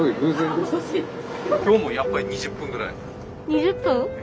２０分？